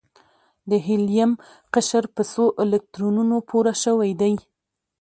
د هیلیم قشر په څو الکترونونو پوره شوی دی؟